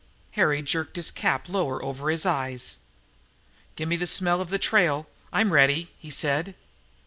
Harry jerked his cap lower over his eyes. "Gimme the smell of the trail, I'm ready," he said.